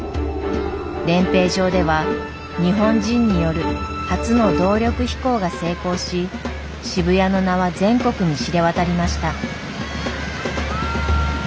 練兵場では日本人による初の動力飛行が成功し渋谷の名は全国に知れ渡りました。